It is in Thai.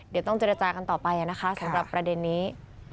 เดี๋ยวต้องเจรจากันต่อไปนะคะสำหรับประเด็นนี้